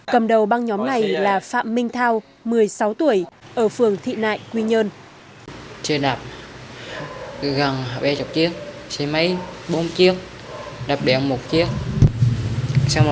cầm đầu băng nhóm này là phạm minh thao một mươi sáu tuổi ở phường thị nại quy nhơn